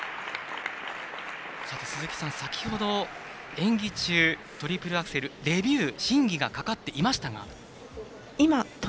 鈴木さん、先ほど演技中トリプルアクセルレビュー、審議がかかっていましたが。